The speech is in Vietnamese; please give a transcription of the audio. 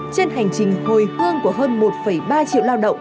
trên hành trình hồi hương của hơn một ba triệu lao động